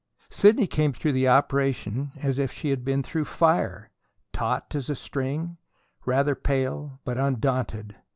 Sidney came through the operation as if she had been through fire taut as a string, rather pale, but undaunted.